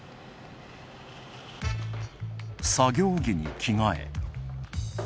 作業着に着替え。